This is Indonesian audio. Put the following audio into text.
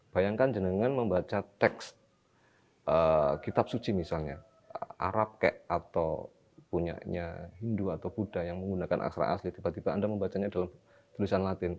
bayangkan dengan membaca teks kitab suci misalnya arab kek atau punyanya hindu atau buddha yang menggunakan aksara asli tiba tiba anda membacanya dalam tulisan latin